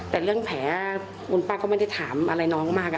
แต่เรื่องแผลคุณป้าก็ไม่ได้ถามอะไรน้องมาก